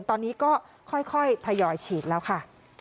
ตอนนี้ก็ค่อยทยอยฉีดแล้วค่ะ